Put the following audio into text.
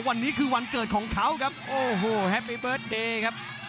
วันนี้คือวันเกิดของเขาครับโอ้โหแฮปปี้เบิร์ตเดย์ครับ